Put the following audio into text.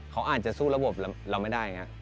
เขาอาจจะสู้ระบบเราไม่ได้นะครับ